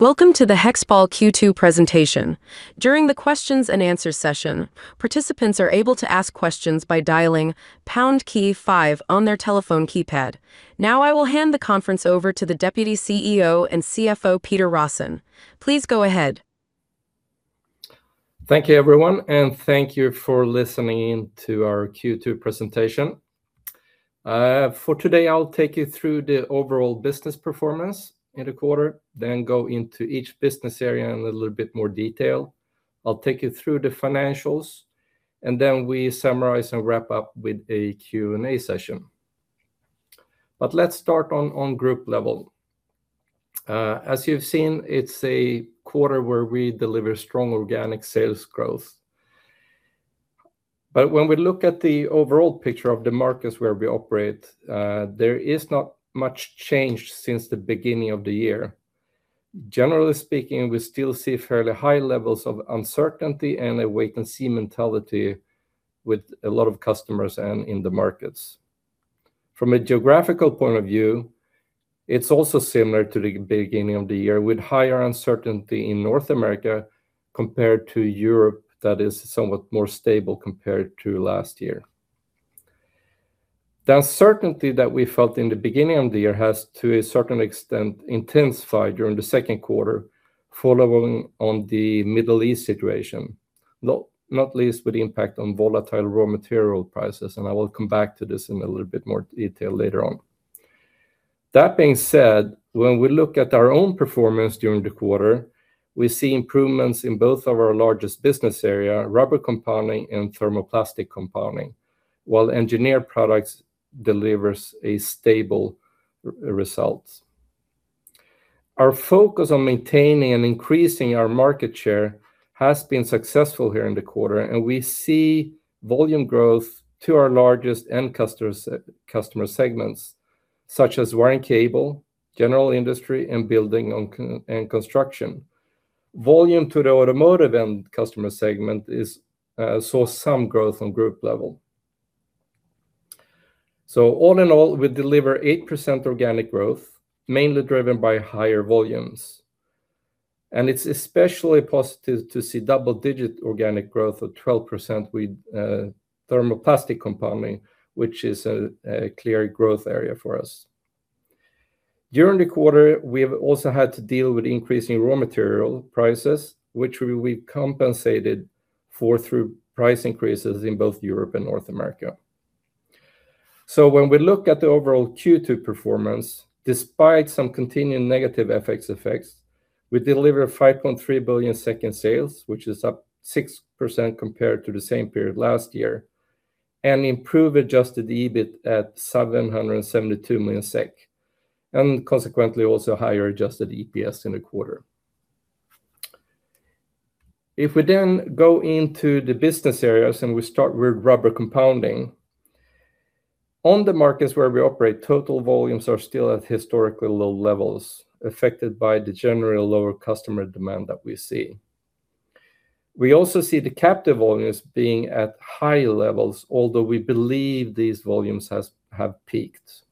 Welcome to the HEXPOL Q2 presentation. During the questions-and-answers session, participants are able to ask questions by dialing pound key five on their telephone keypad. I will hand the conference over to the Deputy CEO and CFO, Peter Rosén. Please go ahead. Thank you, everyone, and thank you for listening to our Q2 presentation. For today, I'll take you through the overall business performance in the quarter, go into each business area in a little bit more detail. I'll take you through the financials, we summarize and wrap up with a Q&A session. Let's start on group level. As you've seen, it's a quarter where we deliver strong organic sales growth. When we look at the overall picture of the markets where we operate, there is not much change since the beginning of the year. Generally speaking, we still see fairly high levels of uncertainty and a wait-and-see mentality with a lot of customers and in the markets. From a geographical point of view, it's also similar to the beginning of the year, with higher uncertainty in North America compared to Europe, that is somewhat more stable compared to last year. The uncertainty that we felt in the beginning of the year has, to a certain extent, intensified during the second quarter, following on the Middle East situation, not least with the impact on volatile raw material prices. I will come back to this in a little bit more detail later on. That being said, when we look at our own performance during the quarter, we see improvements in both of our largest business area, Rubber Compounding and Thermoplastic Compounding, while Engineered Products delivers a stable result. Our focus on maintaining and increasing our market share has been successful here in the quarter. We see volume growth to our largest end customer segments, such as wiring cable, general industry, and building and construction. Volume to the automotive end customer segment saw some growth on group level. All in all, we deliver 8% organic growth, mainly driven by higher volumes. It's especially positive to see double-digit organic growth of 12% with Thermoplastic Compounding, which is a clear growth area for us. During the quarter, we have also had to deal with increasing raw material prices, which we compensated for through price increases in both Europe and North America. When we look at the overall Q2 performance, despite some continuing negative FX effects, we deliver 5.3 billion sales, which is up 6% compared to the same period last year, and improve adjusted EBIT at 772 million SEK, and consequently also higher adjusted EPS in the quarter. We go into the business areas and we start with Rubber Compounding. On the markets where we operate, total volumes are still at historically low levels, affected by the general lower customer demand that we see. We also see the captive volumes being at high levels, although we believe these volumes have peaked.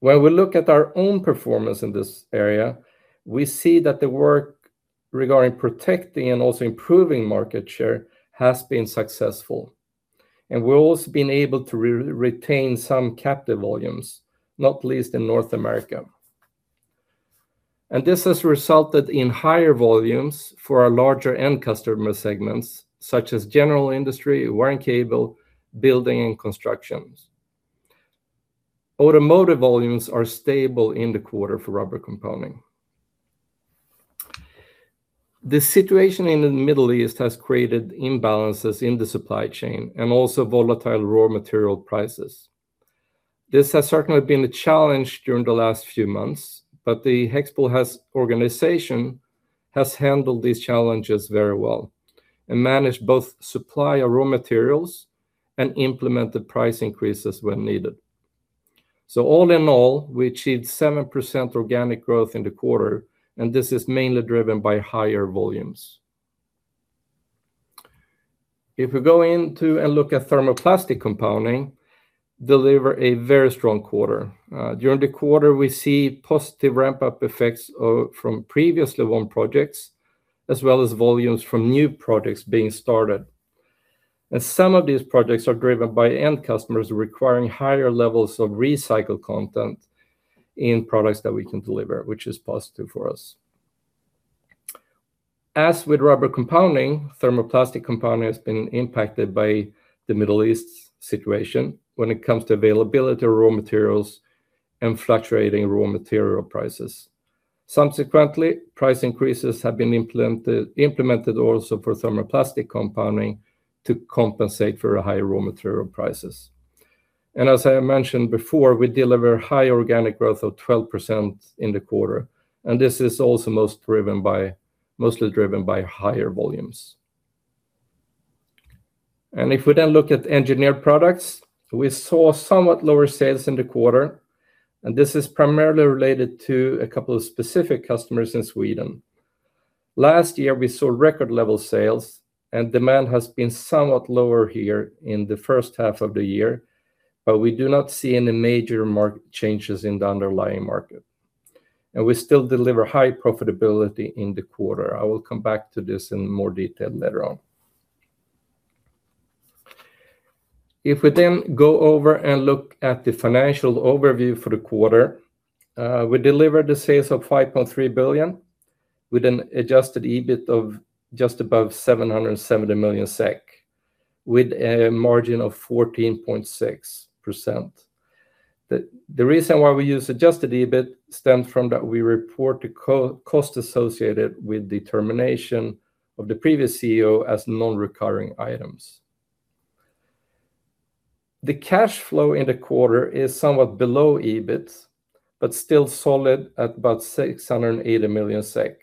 When we look at our own performance in this area, we see that the work regarding protecting and also improving market share has been successful, and we have also been able to retain some captive volumes, not least in North America. This has resulted in higher volumes for our larger end customer segments, such as general industry, wiring cable, building and constructions. Automotive volumes are stable in the quarter for Rubber Compounding. The situation in the Middle East has created imbalances in the supply chain and also volatile raw material prices. This has certainly been a challenge during the last few months, but the HEXPOL organization has handled these challenges very well and managed both supply of raw materials and implemented price increases when needed. All in all, we achieved 7% organic growth in the quarter, and this is mainly driven by higher volumes. We go in to and look at Thermoplastic Compounding, deliver a very strong quarter. During the quarter, we see positive ramp-up effects from previously won projects, as well as volumes from new projects being started. Some of these projects are driven by end customers requiring higher levels of recycled content in products that we can deliver, which is positive for us. As with Rubber Compounding, Thermoplastic Compounding has been impacted by the Middle East situation when it comes to availability of raw materials and fluctuating raw material prices. Subsequently, price increases have been implemented also for Thermoplastic Compounding to compensate for the high raw material prices. As I mentioned before, we deliver high organic growth of 12% in the quarter, and this is also mostly driven by higher volumes. If we look at Engineered Products, we saw somewhat lower sales in the quarter, and this is primarily related to a couple of specific customers in Sweden. Last year we saw record level sales and demand has been somewhat lower here in the first half of the year, but we do not see any major market changes in the underlying market, and we still deliver high profitability in the quarter. I will come back to this in more detail later on. We go over and look at the financial overview for the quarter, we delivered a sales of 5.3 billion with an adjusted EBIT of just above 770 million SEK, with a margin of 14.6%. The reason why we use adjusted EBIT stems from that we report the cost associated with the termination of the previous CEO as non-recurring items. The cash flow in the quarter is somewhat below EBIT, but still solid at about 680 million SEK.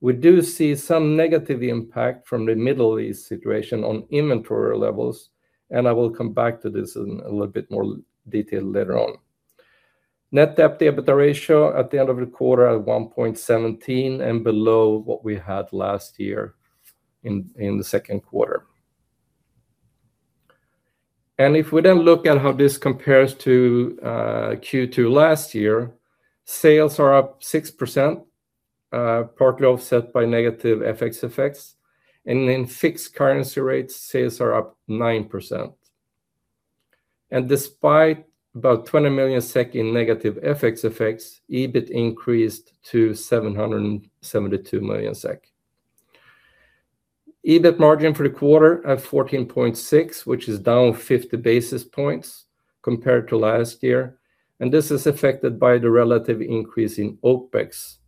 We do see some negative impact from the Middle East situation on inventory levels, and I will come back to this in a little bit more detail later on. Net debt to EBITDA ratio at the end of the quarter at 1.17 and below what we had last year in the second quarter. If we then look at how this compares to Q2 last year, sales are up 6%, partly offset by negative FX effects, and in fixed currency rates, sales are up 9%. Despite about 20 million SEK in negative FX effects, EBIT increased to 772 million SEK. EBIT margin for the quarter at 14.6%, which is down 50 basis points compared to last year, this is affected by the relative increase in OpEx,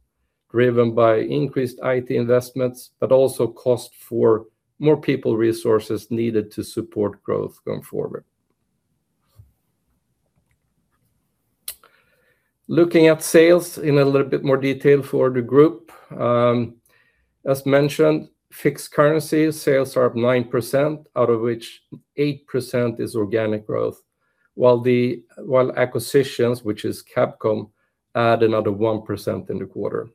driven by increased IT investments, but also cost for more people resources needed to support growth going forward. Looking at sales in a little bit more detail for the group. As mentioned, fixed currency sales are up 9%, out of which 8% is organic growth, while acquisitions, which is Kabkom, add another 1% in the quarter.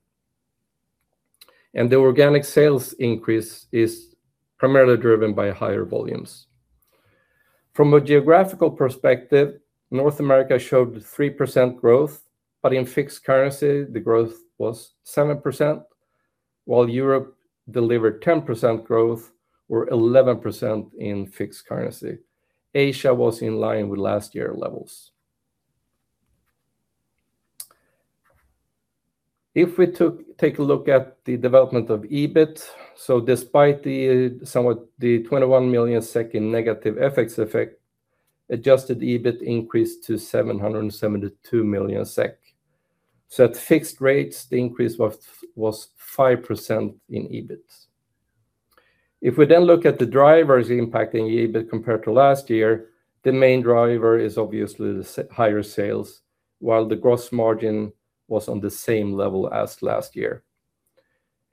The organic sales increase is primarily driven by higher volumes. From a geographical perspective, North America showed 3% growth, but in fixed currency, the growth was 7%, while Europe delivered 10% growth or 11% in fixed currency. Asia was in line with last year levels. If we take a look at the development of EBIT, despite the 21 million SEK in negative FX effect, adjusted EBIT increased to 772 million SEK. At fixed rates, the increase was 5% in EBIT. If we then look at the drivers impacting EBIT compared to last year, the main driver is obviously the higher sales, while the gross margin was on the same level as last year.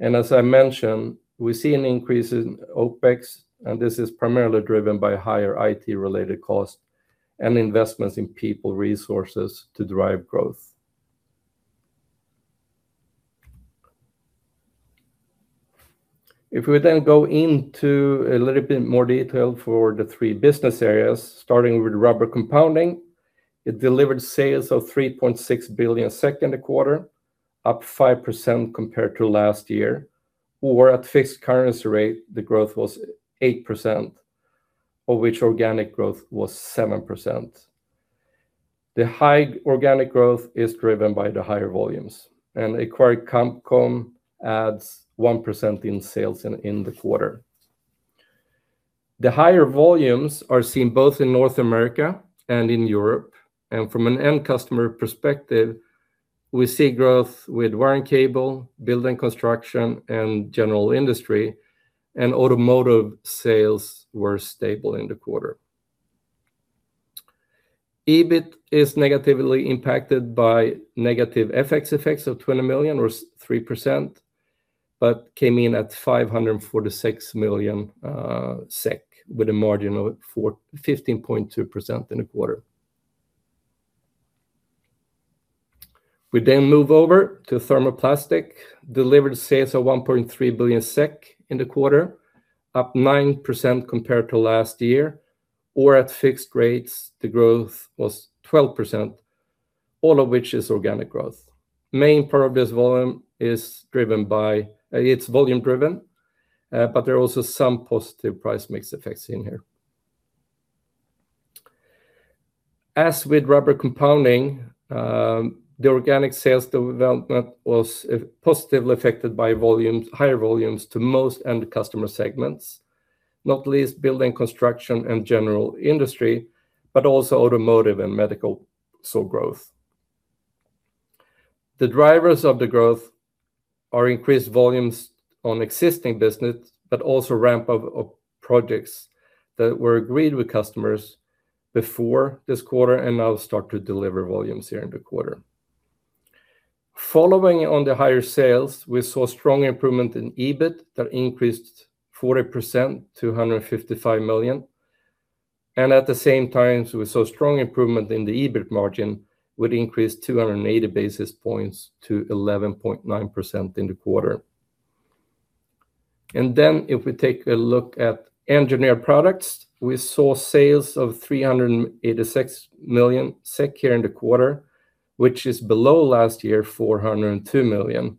As I mentioned, we see an increase in OpEx, and this is primarily driven by higher IT-related costs and investments in people resources to drive growth. If we then go into a little bit more detail for the three business areas, starting with Rubber Compounding, it delivered sales of 3.6 billion in the quarter, up 5% compared to last year, or at fixed currency rate, the growth was 8%, of which organic growth was 7%. The high organic growth is driven by the higher volumes, acquired Kabkom adds 1% in sales in the quarter. The higher volumes are seen both in North America and in Europe, from an end customer perspective, we see growth with wiring cable, building construction, and general industry, and automotive sales were stable in the quarter. EBIT is negatively impacted by negative FX effects of 20 million or 3%, but came in at 546 million SEK with a margin of 15.2% in the quarter. We then move over to Thermoplastic, delivered sales of 1.3 billion SEK in the quarter, up 9% compared to last year, or at fixed rates, the growth was 12%, all of which is organic growth. Main part of this is volume-driven, but there are also some positive price mix effects in here. As with Rubber Compounding, the organic sales development was positively affected by higher volumes to most end customer segments, not least building construction and general industry, but also automotive and medical saw growth. The drivers of the growth are increased volumes on existing business, but also ramp up of projects that were agreed with customers before this quarter and now start to deliver volumes here in the quarter. Following on the higher sales, we saw strong improvement in EBIT that increased 40% to 155 million. At the same time, we saw strong improvement in the EBIT margin with increase 280 basis points to 11.9% in the quarter. If we take a look at Engineered Products, we saw sales of 386 million SEK here in the quarter, which is below last year, 402 million.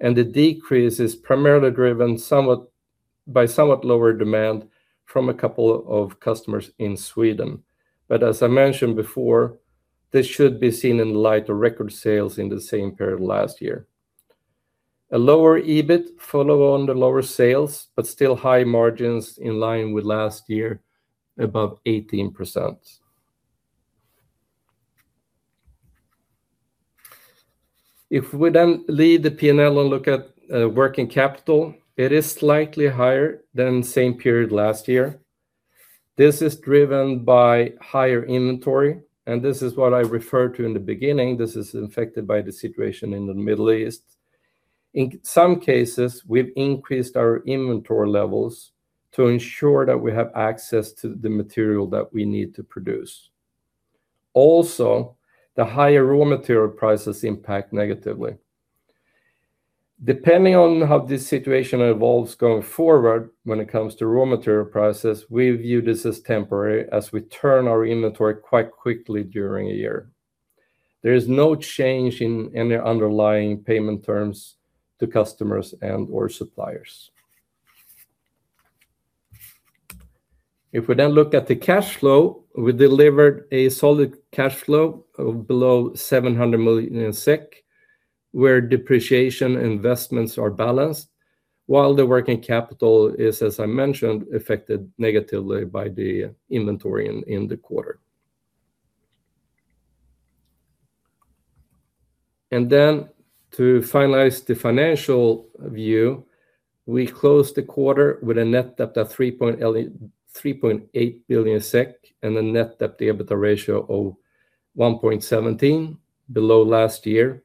The decrease is primarily driven by somewhat lower demand from a couple of customers in Sweden. As I mentioned before, this should be seen in light of record sales in the same period last year. A lower EBIT follow on the lower sales, but still high margins in line with last year, above 18%. If we leave the P&L and look at working capital, it is slightly higher than the same period last year. This is driven by higher inventory, and this is what I referred to in the beginning. This is affected by the situation in the Middle East. In some cases, we've increased our inventory levels to ensure that we have access to the material that we need to produce. Also, the higher raw material prices impact negatively. Depending on how this situation evolves going forward, when it comes to raw material prices, we view this as temporary, as we turn our inventory quite quickly during a year. There is no change in the underlying payment terms to customers and/or suppliers. If we look at the cash flow, we delivered a solid cash flow of below SEK 700 million, where depreciation investments are balanced, while the working capital is, as I mentioned, affected negatively by the inventory in the quarter. To finalize the financial view, we closed the quarter with a net debt of 3.8 billion SEK and a net debt to EBITDA ratio of 1.17, below last year.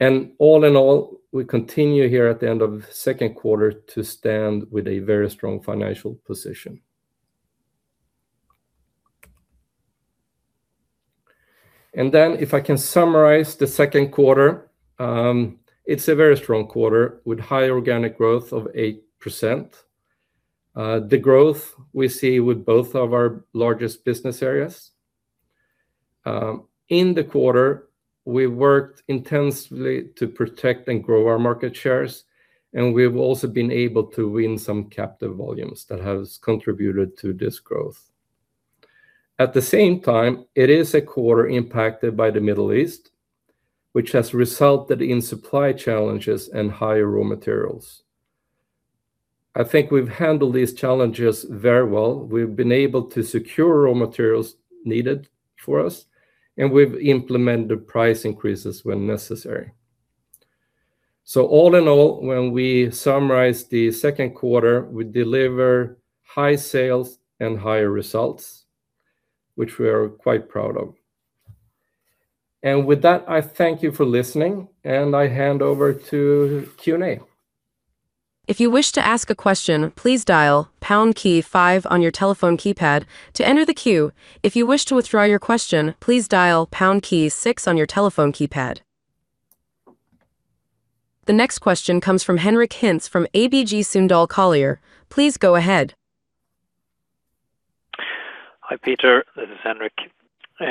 All in all, we continue here at the end of the second quarter to stand with a very strong financial position. If I can summarize the second quarter, it's a very strong quarter with high organic growth of 8%. The growth we see with both of our largest business areas. In the quarter, we worked intensively to protect and grow our market shares, and we've also been able to win some captive volumes that has contributed to this growth. At the same time, it is a quarter impacted by the Middle East, which has resulted in supply challenges and higher raw materials. I think we've handled these challenges very well. We've been able to secure raw materials needed for us, and we've implemented price increases when necessary. All in all, when we summarize the second quarter, we deliver high sales and higher results, which we are quite proud of. With that, I thank you for listening, and I hand over to Q&A. If you wish to ask a question, please dial pound key five on your telephone keypad to enter the queue. If you wish to withdraw your question, please dial pound key six on your telephone keypad. The next question comes from Henric Hintze from ABG Sundal Collier. Please go ahead. Hi, Peter. This is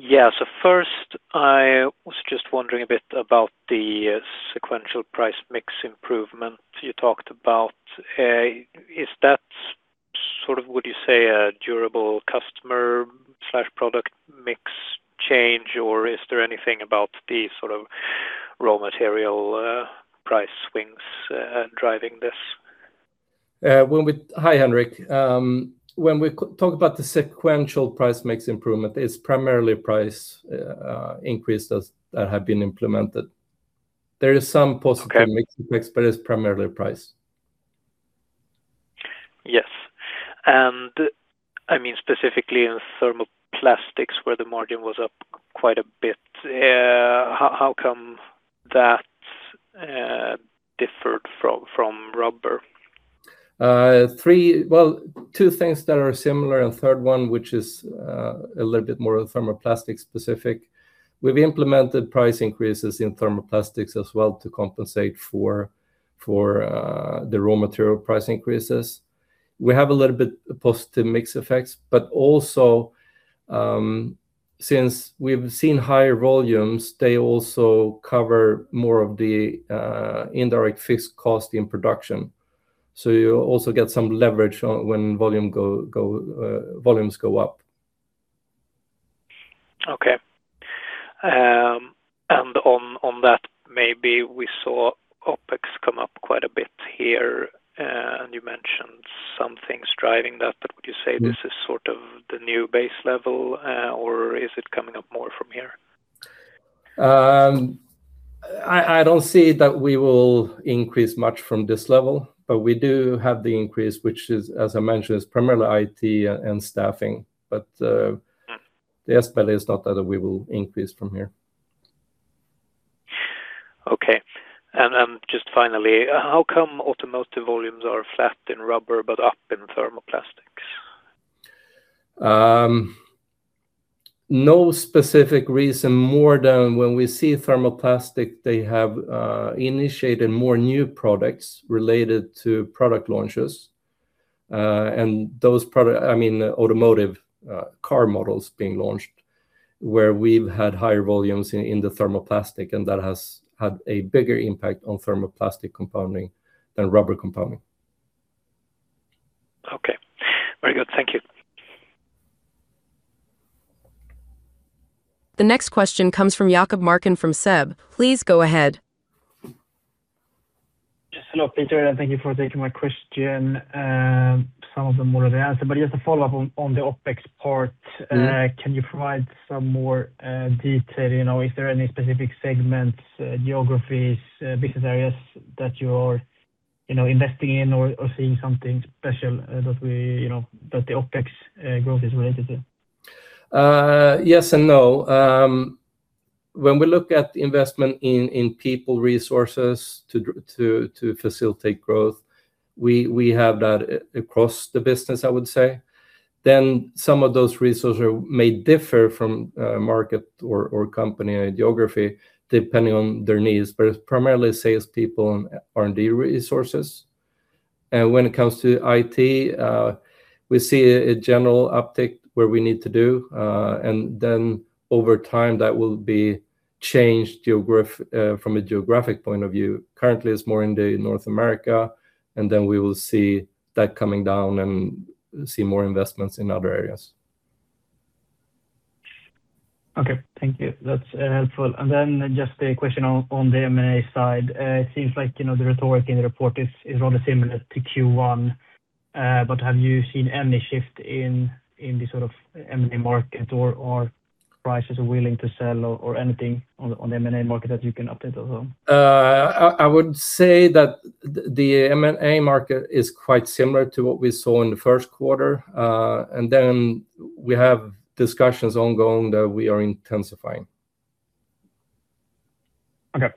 Henric. First, I was just wondering a bit about the sequential price mix improvement you talked about. Is that, would you say, a durable customer/product mix change, or is there anything about the raw material price swings driving this? Hi, Henric. When we talk about the sequential price mix improvement, it's primarily price increases that have been implemented. There is some positive. Okay mix, it's primarily price. Yes. Specifically in Thermoplastic Compounding, where the margin was up quite a bit, how come that differed from Rubber? Well, two things that are similar, and third one, which is a little bit more Thermoplastic specific. We've implemented price increases in Thermoplastic as well to compensate for the raw material price increases. We have a little bit positive mix effects, but also, since we've seen higher volumes, they also cover more of the indirect fixed cost in production. You also get some leverage when volumes go up. Okay. On that maybe, we saw OpEx come up quite a bit here, and you mentioned some things driving that, but would you say this is sort of the new base level? Or is it coming up more from here? I don't see that we will increase much from this level, but we do have the increase, which is, as I mentioned, is primarily IT and staffing. the spell is not that we will increase from here. Okay. Just finally, how come automotive volumes are flat in Rubber but up in Thermoplastics? No specific reason more than when we see Thermoplastic, they have initiated more new products related to product launches. Those automotive car models being launched, where we've had higher volumes in the Thermoplastic, and that has had a bigger impact on Thermoplastic Compounding than Rubber Compounding. Okay. Very good. Thank you. The next question comes from Jakob Marken from SEB. Please go ahead. Yes. Hello, Peter, and thank you for taking my question. Some of them you already answered, but just a follow-up on the OpEx part. Can you provide some more detail? Is there any specific segments, geographies, business areas that you're investing in or seeing something special that the OpEx growth is related to? Yes and no. When we look at investment in people, resources to facilitate growth, we have that across the business, I would say. Some of those resources may differ from a market or company geography depending on their needs, but it's primarily salespeople and R&D resources. When it comes to IT, we see a general uptick where we need to do, and then over time, that will be changed from a geographic point of view. Currently, it's more in North America, and then we will see that coming down and see more investments in other areas. Okay. Thank you. That's helpful. Just a question on the M&A side. It seems like the rhetoric in the report is rather similar to Q1. Have you seen any shift in the sort of M&A market or prices are willing to sell or anything on the M&A market that you can update us on? I would say that the M&A market is quite similar to what we saw in the first quarter. We have discussions ongoing that we are intensifying. Okay,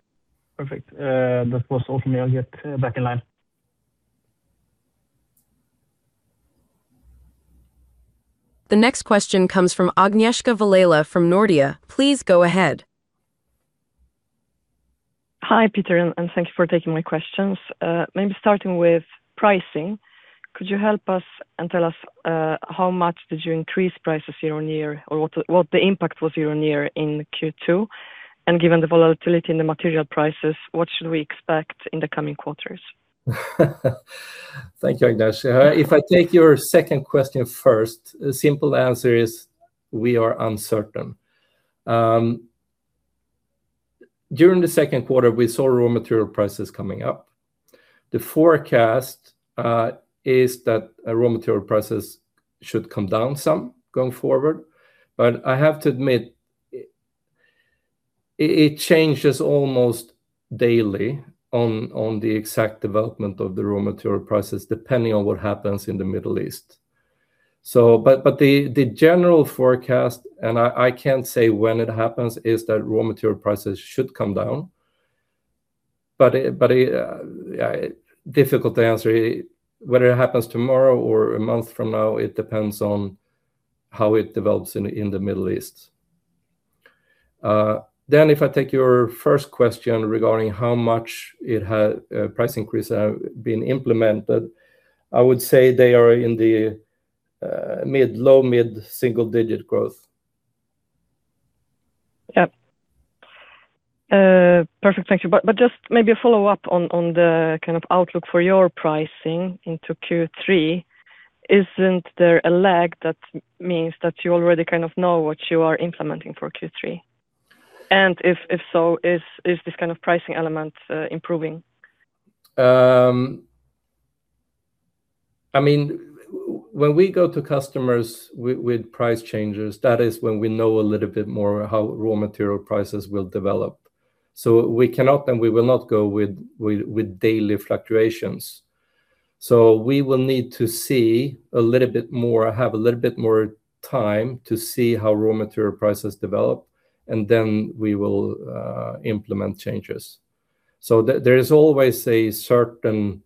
perfect. That was all from me. I'll get back in line. The next question comes from Agnieszka Vilela from Nordea. Please go ahead. Hi, Peter, thank you for taking my questions. Maybe starting with pricing, could you help us and tell us how much did you increase prices year-on-year, or what the impact was year-on-year in Q2? Given the volatility in the material prices, what should we expect in the coming quarters? Thank you, Agnieszka. If I take your second question first, the simple answer is we are uncertain. During the second quarter, we saw raw material prices coming up. The forecast is that raw material prices should come down some going forward. I have to admit, it changes almost daily on the exact development of the raw material prices, depending on what happens in the Middle East. The general forecast, I can't say when it happens, is that raw material prices should come down. Difficult to answer whether it happens tomorrow or a month from now, it depends on how it develops in the Middle East. If I take your first question regarding how much price increases have been implemented, I would say they are in the low mid-single-digit growth. Yep. Perfect. Thank you. Just maybe a follow-up on the kind of outlook for your pricing into Q3. Isn't there a lag that means that you already kind of know what you are implementing for Q3? If so, is this kind of pricing element improving? When we go to customers with price changes, that is when we know a little bit more how raw material prices will develop. We cannot, we will not go with daily fluctuations. We will need to see a little bit more, have a little bit more time to see how raw material prices develop, then we will implement changes. There is always a certain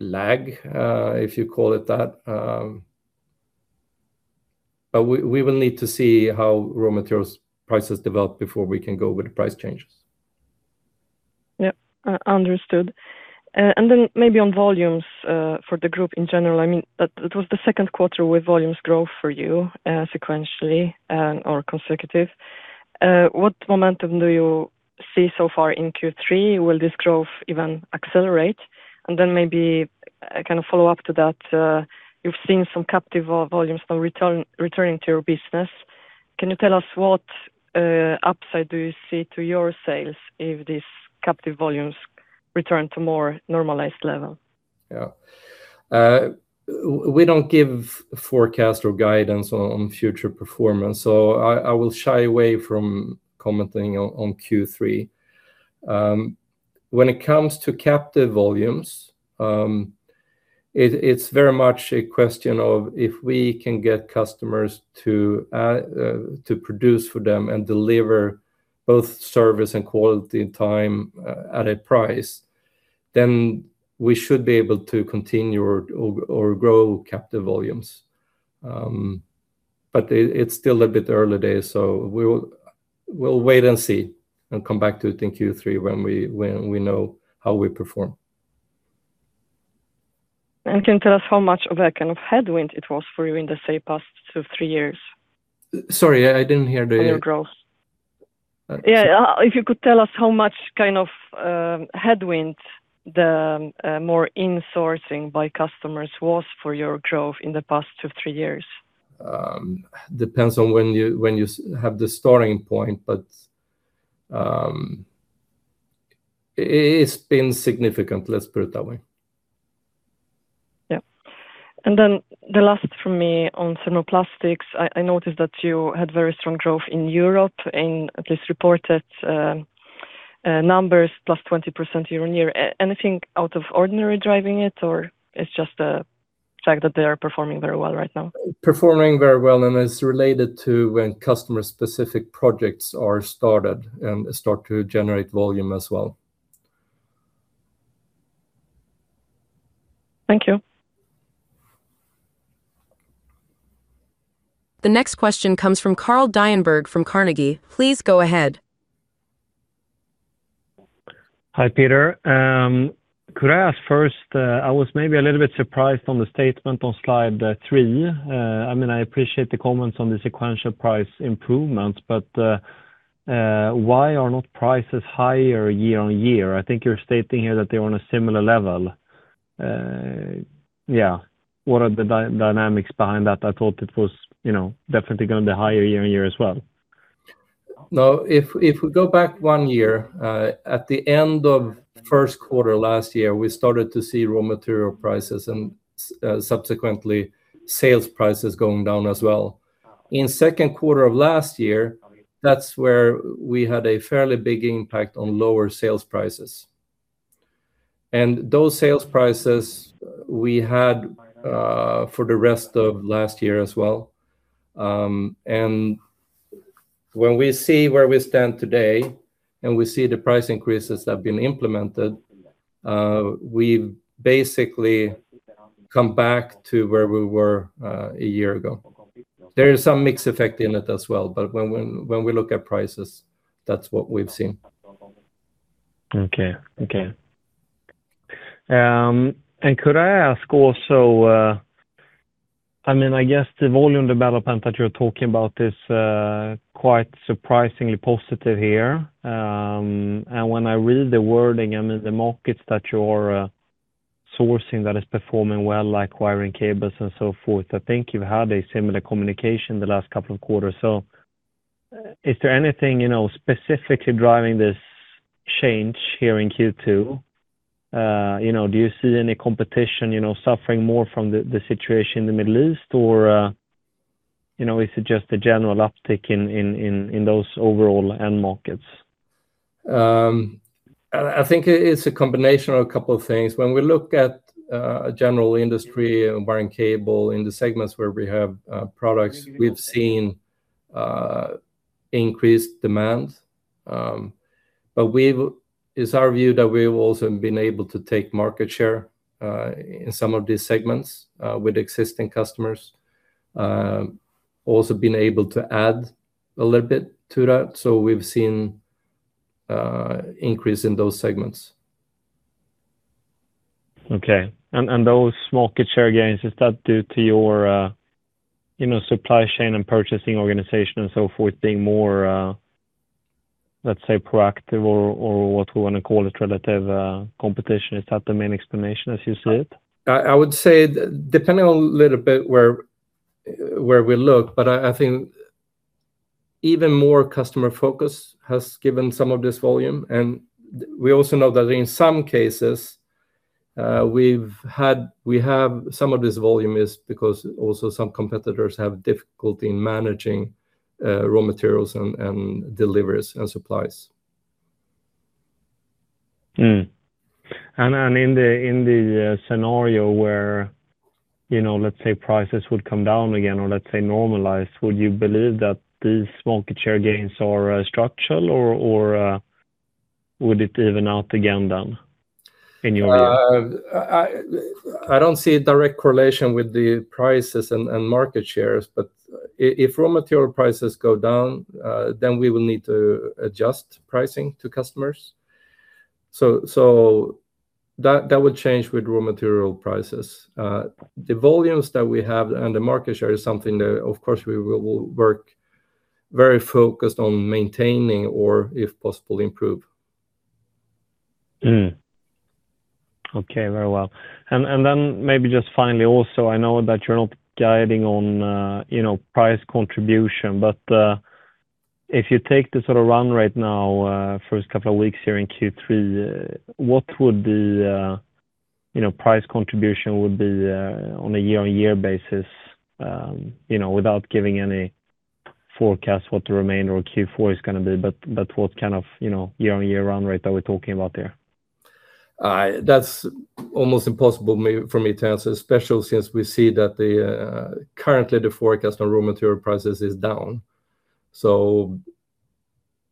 lag, if you call it that. We will need to see how raw materials prices develop before we can go with the price changes. Yep. Understood. Maybe on volumes, for the group in general, that was the second quarter with volumes growth for you sequentially or consecutive. What momentum do you see so far in Q3? Will this growth even accelerate? Maybe a follow-up to that, you've seen some captive volumes now returning to your business. Can you tell us what upside do you see to your sales if these captive volumes return to more normalized level? Yeah. We don't give forecast or guidance on future performance. I will shy away from commenting on Q3. When it comes to captive volumes. It's very much a question of if we can get customers to produce for them and deliver both service and quality in time at a price, then we should be able to continue or grow captive volumes. It's still a bit early days, we'll wait and see and come back to it in Q3 when we know how we perform. Can you tell us how much of a kind of headwind it was for you in the say, past two, three years? Sorry, I didn't hear there you. On your growth. Okay. Yeah. If you could tell us how much kind of headwind the more insourcing by customers was for your growth in the past two, three years. Depends on when you have the starting point, it's been significant, let's put it that way. Yeah. The last from me on Thermoplastics, I noticed that you had very strong growth in Europe, in at least reported numbers, +20% year-on-year. Anything out of ordinary driving it's just the fact that they are performing very well right now? Performing very well, and it's related to when customer-specific projects are started and start to generate volume as well. Thank you. The next question comes from Carl Deijenberg from Carnegie. Please go ahead. Hi, Peter. Could I ask first, I was maybe a little bit surprised on the statement on slide three. I appreciate the comments on the sequential price improvement. Why are not prices higher year-on-year? I think you're stating here that they're on a similar level. Yeah. What are the dynamics behind that? I thought it was definitely going to higher year-on-year as well. No. If we go back one year, at the end of first quarter last year, we started to see raw material prices and subsequently sales prices going down as well. In second quarter of last year, that's where we had a fairly big impact on lower sales prices. Those sales prices we had for the rest of last year as well. When we see where we stand today and we see the price increases that have been implemented, we've basically come back to where we were a year ago. There is some mix effect in it as well, when we look at prices, that's what we've seen. Okay. Could I ask also, I guess the volume development that you're talking about is quite surprisingly positive here. When I read the wording, the markets that you're sourcing that is performing well, like wiring, cables and so forth, I think you've had a similar communication the last couple of quarters. Is there anything specifically driving this change here in Q2? Do you see any competition suffering more from the situation in the Middle East? Is it just a general uptick in those overall end markets? I think it is a combination of a couple of things. When we look at general industry and wiring cable in the segments where we have products, we've seen increased demand. It's our view that we've also been able to take market share in some of these segments, with existing customers. Also been able to add a little bit to that. We've seen increase in those segments. Okay. Those market share gains, is that due to your supply chain and purchasing organization and so forth being more, let's say, proactive or what we want to call it, relative competition? Is that the main explanation as you see it? I would say, depending a little bit where we look, but I think even more customer focus has given some of this volume. We also know that in some cases, we have some of this volume is because also some competitors have difficulty in managing raw materials and deliveries and supplies. In the scenario where, let's say, prices would come down again, or let's say normalize, would you believe that these market share gains are structural, or would it even out again then, in your view? I don't see a direct correlation with the prices and market shares. If raw material prices go down, then we will need to adjust pricing to customers. That would change with raw material prices. The volumes that we have and the market share is something that, of course, we will work very focused on maintaining or, if possible, improve. Okay. Very well. Then maybe just finally also, I know that you're not guiding on price contribution, but if you take the sort of run right now, first couple of weeks here in Q3, what would the price contribution would be on a year-on-year basis, without giving any forecast what the remainder of Q4 is going to be, but what kind of year-on-year run rate are we talking about there? That's almost impossible for me to answer, especially since we see that currently the forecast on raw material prices is down.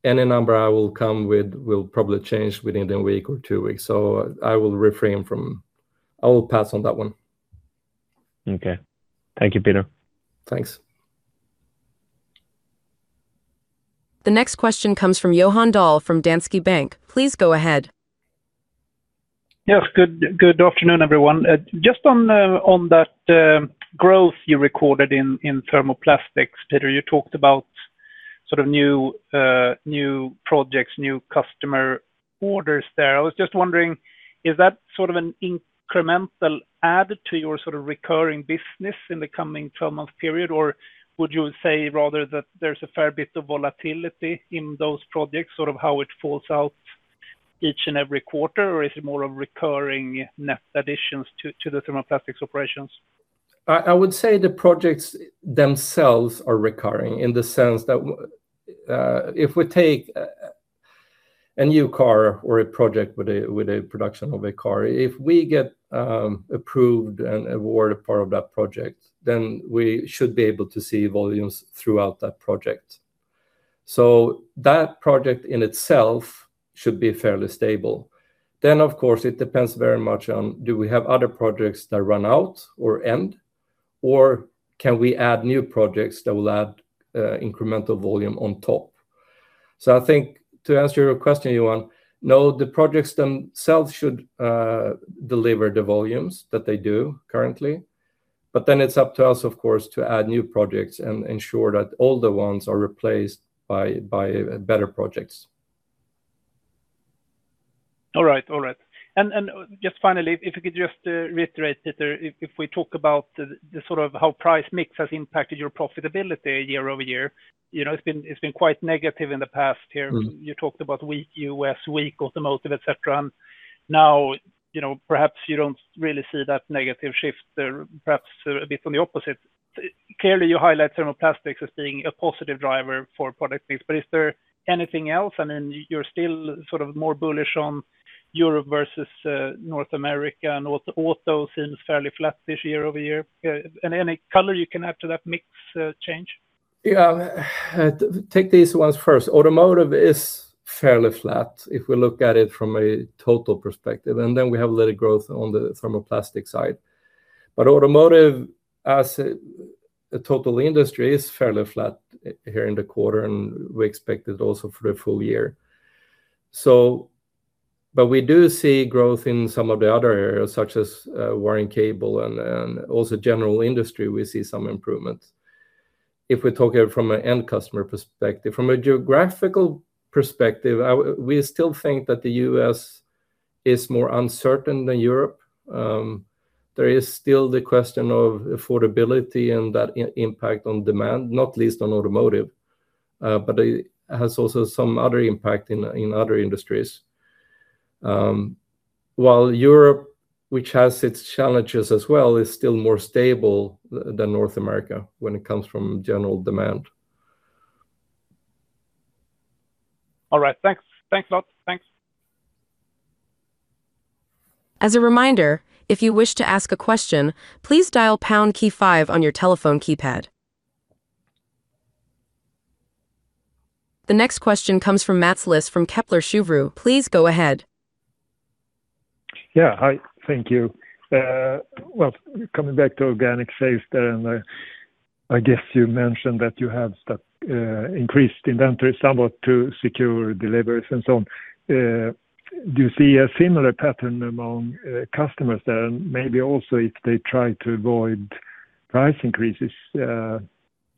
Any number I will come with will probably change within a week or two weeks. I will pass on that one. Okay. Thank you, Peter. Thanks. The next question comes from Johan Dahl from Danske Bank. Please go ahead. Yes. Good afternoon, everyone. Just on that growth you recorded in Thermoplastics, Peter, you talked about new projects, new customer orders there. I was just wondering, is that sort of an incremental add to your recurring business in the coming 12-month period? Or would you say rather that there's a fair bit of volatility in those projects, sort of how it falls out each and every quarter? Or is it more of recurring net additions to the Thermoplastics operations? I would say the projects themselves are recurring in the sense that if we take a new car or a project with a production of a car, if we get approved and award a part of that project, we should be able to see volumes throughout that project. That project in itself should be fairly stable. Of course, it depends very much on do we have other projects that run out or end, or can we add new projects that will add incremental volume on top? I think to answer your question, Johan, no, the projects themselves should deliver the volumes that they do currently. It's up to us, of course, to add new projects and ensure that older ones are replaced by better projects. All right. Just finally, if you could just reiterate, Peter, if we talk about how price mix has impacted your profitability year-over-year, it's been quite negative in the past year. You talked about weak U.S., weak automotive, et cetera. Now perhaps you don't really see that negative shift there, perhaps a bit on the opposite. Clearly, you highlight Thermoplastics as being a positive driver for product mix. Is there anything else? You're still more bullish on Europe versus North America, and auto seems fairly flat this year-over-year. Any color you can add to that mix change? Yeah. Take these ones first. Automotive is fairly flat if we look at it from a total perspective. Then we have a little growth on the Thermoplastic side. Automotive as a total industry is fairly flat here in the quarter, and we expect it also for the full year. We do see growth in some of the other areas, such as wiring cable and also general industry, we see some improvements, if we talk it from an end customer perspective. From a geographical perspective, we still think that the U.S. is more uncertain than Europe. There is still the question of affordability and that impact on demand, not least on automotive. It has also some other impact in other industries. While Europe, which has its challenges as well, is still more stable than North America when it comes from general demand. All right. Thanks a lot. Thanks. As a reminder, if you wish to ask a question, please dial pound-key five on your telephone keypad. The next question comes from Mats Liss from Kepler Cheuvreux. Please go ahead. Yeah. Hi. Thank you. Well, coming back to organic sales there, I guess you mentioned that you have that increased inventory somewhat to secure deliveries and so on. Do you see a similar pattern among customers there? Maybe also if they try to avoid price increases.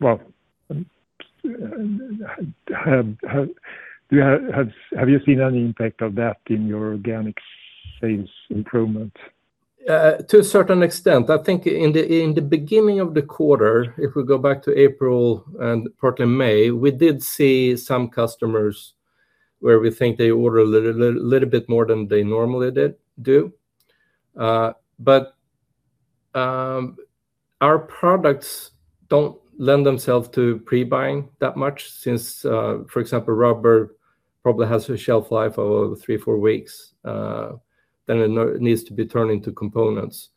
Well, have you seen any impact of that in your organic sales improvement? To a certain extent. I think in the beginning of the quarter, if we go back to April and partly May, we did see some customers where we think they order a little bit more than they normally do. Our products don't lend themselves to pre-buying that much since, for example, Rubber probably has a shelf life of three, four weeks, then it needs to be turned into components.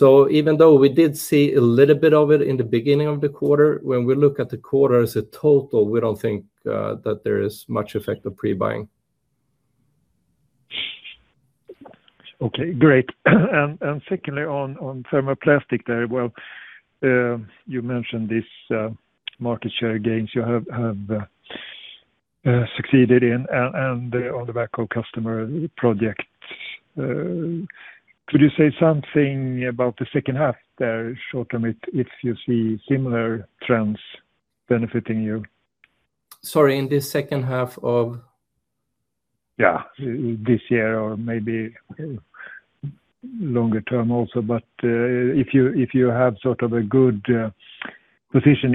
Even though we did see a little bit of it in the beginning of the quarter, when we look at the quarter as a total, we don't think that there is much effect of pre-buying. Okay, great. Secondly, on Thermoplastic there, well, you mentioned this market share gains you have succeeded in and on the back of customer projects. Could you say something about the second half there, short term, if you see similar trends benefiting you? Sorry, in the second half of? Yeah, this year or maybe longer term also, if you have sort of a good position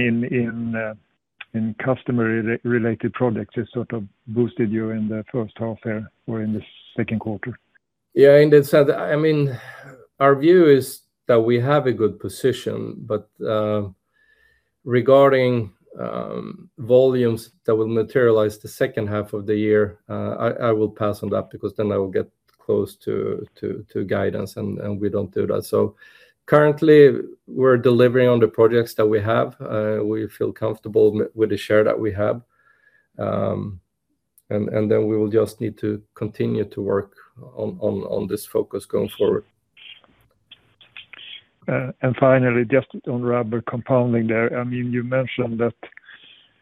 in customer-related projects that sort of boosted you in the first half there or in the second quarter. Yeah. In that sense, I mean Our view is that we have a good position, regarding volumes that will materialize the second half of the year, I will pass on that because then I will get close to guidance, and we don't do that. Currently, we're delivering on the projects that we have. We feel comfortable with the share that we have. We will just need to continue to work on this focus going forward. Finally, just on Rubber Compounding there, you mentioned that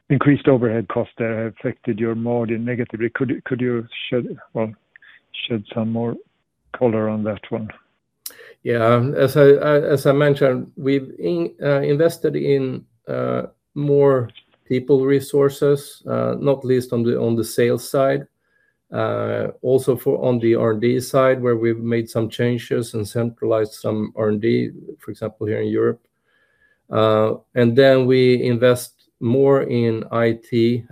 increased overhead costs there have affected your margin negatively. Could you shed some more color on that one? Yeah. As I mentioned, we've invested in more people resources, not least on the sales side. Also, on the R&D side, where we've made some changes and centralized some R&D, for example, here in Europe. Then we invest more in IT,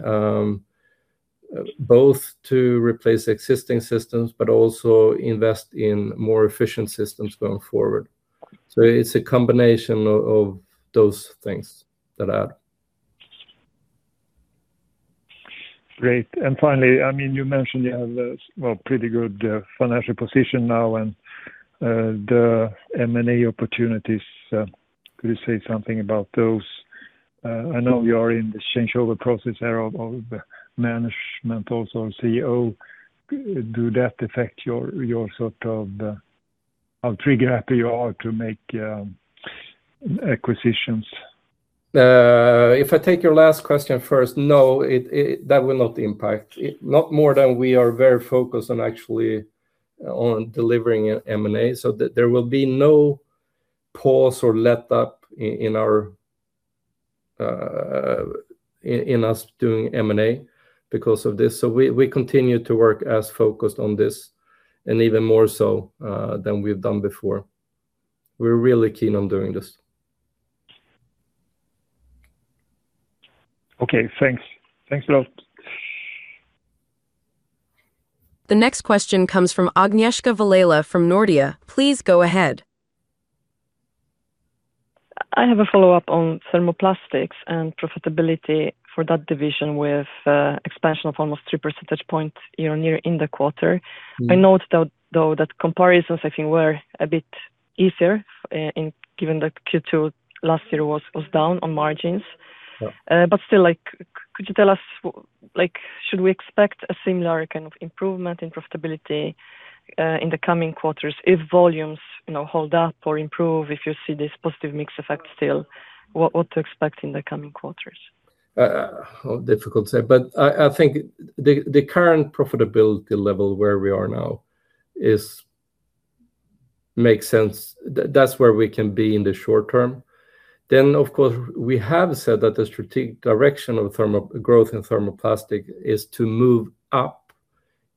both to replace existing systems, but also invest in more efficient systems going forward. It's a combination of those things that add. Great. Finally, you mentioned you have a pretty good financial position now and the M&A opportunities. Could you say something about those? I know you are in the changeover process there of management, also CEO. Do that affect how trigger-happy you are to make acquisitions? If I take your last question first, no, that will not impact. Not more than we are very focused on actually on delivering M&A, so there will be no pause or let-up in us doing M&A because of this. We continue to work as focused on this and even more so than we've done before. We're really keen on doing this. Okay, thanks. Thanks a lot. The next question comes from Agnieszka Vilela from Nordea. Please go ahead. I have a follow-up on Thermoplastics and profitability for that division with expansion of almost three percentage points year-on-year in the quarter. I note, though, that comparisons, I think, were a bit easier given that Q2 last year was down on margins. Yeah. Could you tell us, should we expect a similar kind of improvement in profitability in the coming quarters if volumes hold up or improve, if you see this positive mix effect still? What to expect in the coming quarters? Difficult to say, I think the current profitability level where we are now makes sense. That's where we can be in the short term. Of course, we have said that the strategic direction of growth in Thermoplastic is to move up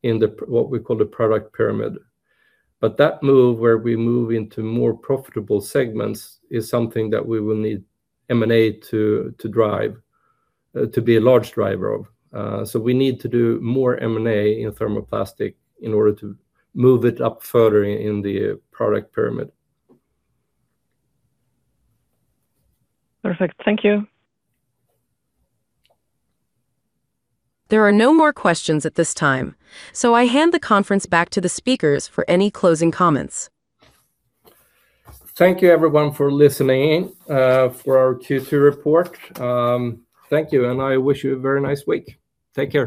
in what we call the product pyramid. That move, where we move into more profitable segments, is something that we will need M&A to drive, to be a large driver of. We need to do more M&A in Thermoplastic in order to move it up further in the product pyramid. Perfect. Thank you. There are no more questions at this time, I hand the conference back to the speakers for any closing comments. Thank you everyone for listening in for our Q2 report. Thank you, and I wish you a very nice week. Take care.